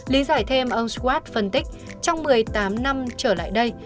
lý giải thêm ông squat phân tích trong một mươi tám năm trở lại đây